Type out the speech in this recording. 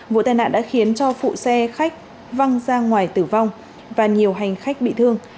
vụ tai nạn đã khiến cho phụ xe khách văng ra ngoài tử vong và nhiều hành khách bị thương